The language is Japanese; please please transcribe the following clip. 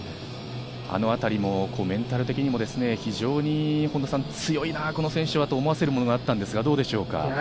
あの辺りもメンタル的にも非常に強いな、この選手はと思わせるものがあったんですが、どうでしょうか？